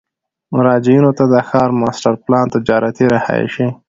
مراجعینو ته د ښار ماسټر پلان، تجارتي، رهایشي،